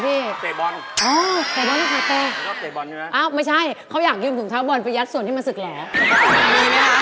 เอาล่ะถ้าอยากยุมสูงเท้าแล้วต้องพรุ่งช่วยของเราเลย